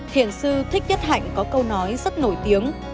hiện sư thích nhất hạnh có câu nói rất nổi tiếng